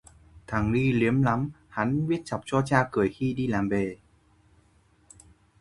Thằng ni liến lắm, hắn biết chọc cho cha cười khi đi làm về